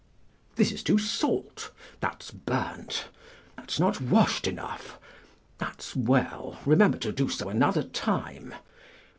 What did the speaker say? ["This is too salt, that's burnt, that's not washed enough; that's well; remember to do so another time.